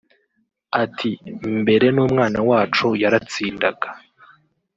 Ati “Mbere n’umwana wacu yaratsindaga